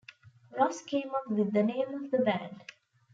Ross came up with the name of the band.